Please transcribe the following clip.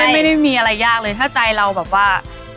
ไม่ได้มีอะไรยากเลยถ้าใจเราแบบว่า